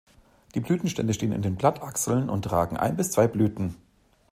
Die Blütenstände stehen in den Blattachseln und tragen ein bis zwei Blüten.